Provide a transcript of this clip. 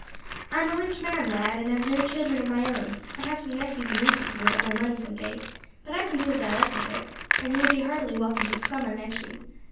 I am a rich man, lad, and have no children of my own; I have some nephews and nieces who will get my money some day, but I can do what I like with it, and you will be heartily welcome to the sum I mention.